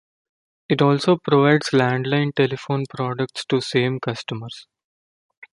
It also provides landline telephone products to the same customers.